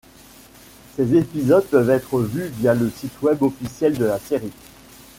Ces épisodes peuvent être vus via le site web officiel de la série.